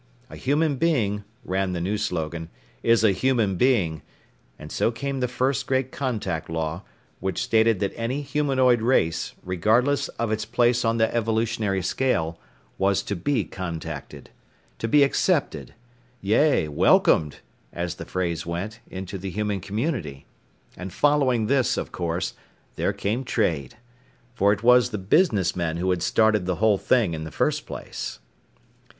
A human being, ran the new slogan, is a Human Being, and so came the first great Contact Law, which stated that any humanoid race, regardless of its place on the evolutionary scale, was to be contacted. To be accepted, "yea, welcomed," as the phrase went, into the human community. And following this, of course, there came Trade. For it was the businessmen who had started the whole thing in the first place.